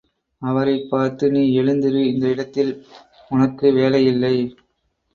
அவரைப் பார்த்து, நீ எழுந்திரு இந்த இடத்தில் உனக்கு வேலையில்லை.